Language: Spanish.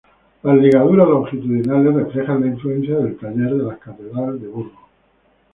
Las ligaduras longitudinales reflejan la influencia del taller de la Catedral de Burgos.